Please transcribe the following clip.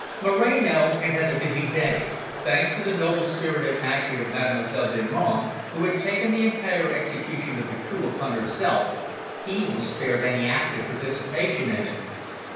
Moreno had a busy day. Thanks to the noble spirited action of Mademoiselle Delmonte, who had taken the entire execution of the coup upon herself, he was spared any active participation in it.